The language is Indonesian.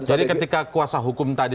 ketika kuasa hukum tadi